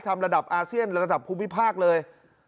ทำระดับอาเซียนระดับคุมพิพากษ์เลย